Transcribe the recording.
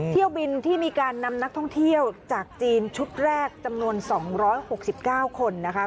เที่ยวบินที่มีการนำนักท่องเที่ยวจากจีนชุดแรกจำนวนสองร้อยหกสิบเก้าคนนะคะ